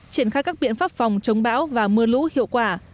triển khai các biện pháp phòng chống bão và mưa lũ hiệu quả